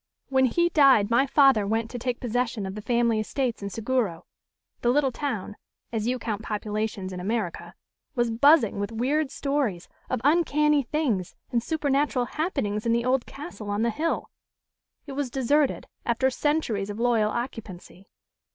When he died my father went to take possession of the family estates in Seguro. The little town as you count populations in America was buzzing with weird stories of uncanny things and supernatural happenings in the old castle on the hill. It was deserted, after centuries of loyal occupancy.